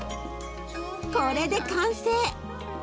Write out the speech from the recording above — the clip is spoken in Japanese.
これで完成！